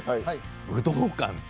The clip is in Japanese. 武道館で。